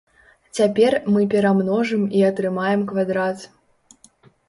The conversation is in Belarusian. Цяпер мы перамножым і атрымаем квадрат.